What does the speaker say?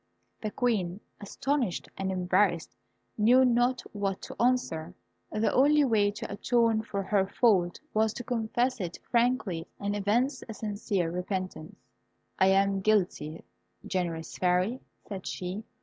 The Queen, astonished and embarrassed, knew not what to answer. The only way to atone for her fault was to confess it frankly, and evince a sincere repentance. "I am guilty, generous Fairy," said she.